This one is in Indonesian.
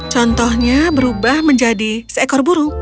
contohnya berubah menjadi seekor burung